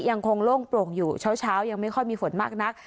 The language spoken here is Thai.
ยังคงโล่งโปร่งอยู่เช้ายังไม่ค่อยมีฝนมากนัก